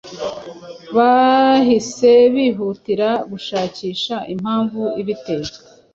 bahise bihutira gushakisha impamvu ibitera,